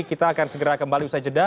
kita akan segera kembali usai jeda